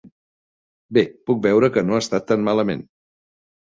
Bé, puc veure que no ha estat tan malament.